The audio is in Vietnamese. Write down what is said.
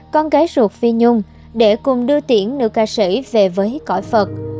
con gái ruột phi nhung để cùng đưa tiễn nữ ca sĩ về với cõi phật